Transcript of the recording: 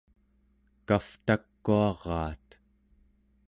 kavtakuaraat